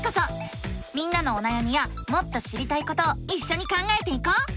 みんなのおなやみやもっと知りたいことをいっしょに考えていこう！